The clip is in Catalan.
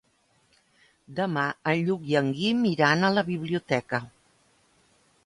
Demà en Lluc i en Guim iran a la biblioteca.